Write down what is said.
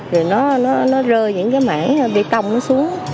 rồi nó rơi những cái mảng bê tông nó xuống